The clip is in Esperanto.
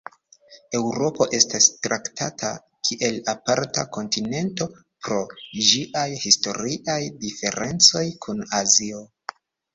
Eŭropo estas traktata kiel aparta kontinento pro ĝiaj historiaj diferencoj kun Azio.